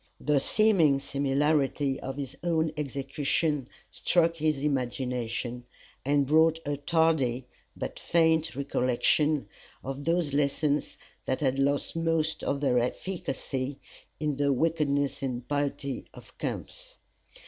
The seeming similarity of his own execution struck his imagination, and brought a tardy but faint recollection of those lessons that had lost most of their efficacy in the wickedness and impiety of camps.